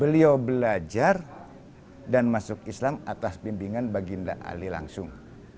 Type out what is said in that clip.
beliau belajar dan masuk islam atas bimbingan baginda ali langsung